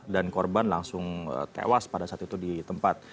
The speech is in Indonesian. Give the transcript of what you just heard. dan korban langsung tewas pada saat itu di tempat